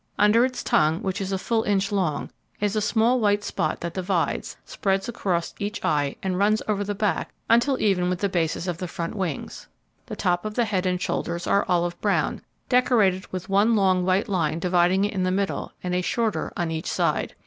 Under its tongue, which is a full inch long, is a small white spot that divides, spreads across each eye, and runs over the back until even with the bases of the front wings. The top of the head and shoulders are olive brown, decorated with one long white line dividing it in the middle, and a shorter on each side.